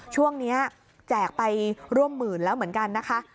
แจกไปร่วมหมื่นแล้วเหมือนกันนะคะ